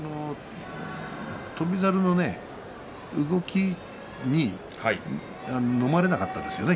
翔猿の動きに飲まれなかったですよね